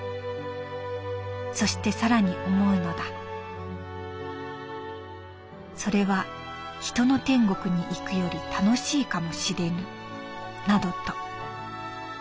そしてさらに思うのだそれは人の天国に行くより楽しいかもしれぬなどと」。